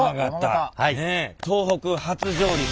東北初上陸。